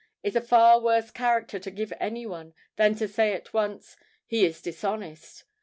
is a far worse character to give of any one, than to say at once, "He is dishonest."